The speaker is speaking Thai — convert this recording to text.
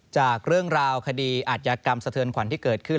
จากเรื่องราวคดีอาจยากรรมสะเทือนขวัญที่เกิดขึ้น